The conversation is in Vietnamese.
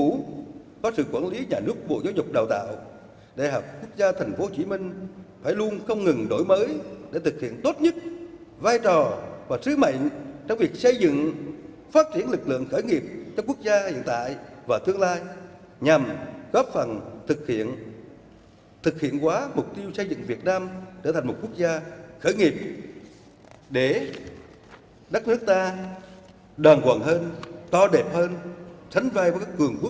chính phủ có sự quản lý nhà nước bộ giáo dục đào tạo đại học quốc gia tp hcm phải luôn không ngừng đổi mới để thực hiện tốt nhất vai trò và sứ mệnh trong việc xây dựng phát triển lực lượng khởi nghiệp trong quốc gia hiện tại và tương lai nhằm góp phần thực hiện quá mục tiêu xây dựng việt nam trở thành một quốc gia khởi nghiệp để đất nước ta đoàn quận hơn to đẹp hơn sánh vai với các quốc gia